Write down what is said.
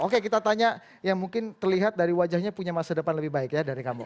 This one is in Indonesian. oke kita tanya yang mungkin terlihat dari wajahnya punya masa depan lebih baik ya dari kamu